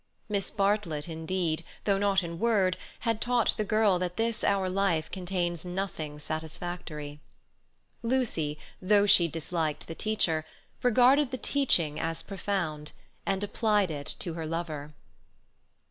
Miss Bartlett, indeed, though not in word, had taught the girl that this our life contains nothing satisfactory. Lucy, though she disliked the teacher, regarded the teaching as profound, and applied it to her lover.